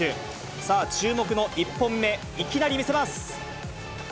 さあ注目の１本目、いきなり見せます。